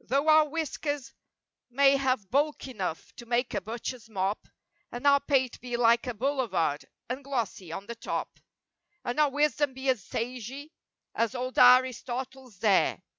Though our whiskers may have bulk enough to make a butcher's mop, And our pate be like a boulevard, and glossy on the top; And our wisdom be as sagey as old Aristotle's dare.